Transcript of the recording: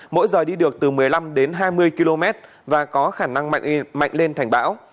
mỗi giờ đi được từ một mươi năm đến hai mươi km và có khả năng mạnh lên thành bão